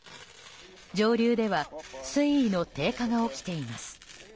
上流では水位の低下が起きています。